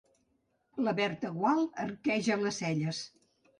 La Berta Gual arqueja les celles.